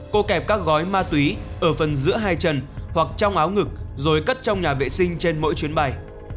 cô kẹp các gói ma túy ở phần giữa hai chân hoặc trong áo ngực rồi cất trong nhà vệ sinh trên mỗi chuyến bay